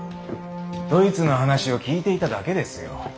ドイツの話を聞いていただけですよ。